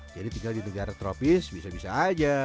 jadi tinggal di negara tropis bisa bisa aja